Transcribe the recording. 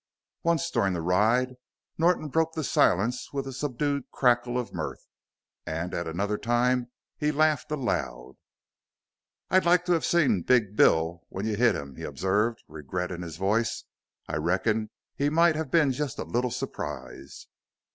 Once during the ride Norton broke the silence with a subdued cackle of mirth, and at another time he laughed aloud. "I'd liked to have seen Big Bill when you hit him!" he observed, regret in his voice. "I reckon he might have been just a little surprised!"